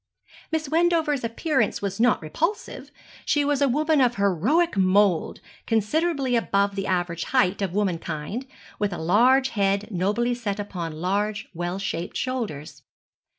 Miss Wendover's appearance was not repulsive. She was a woman of heroic mould, considerably above the average height of womankind, with a large head nobly set upon large well shaped shoulders.